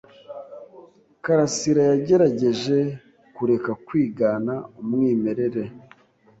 Karasirayagerageje kureka kwigana umwimerere.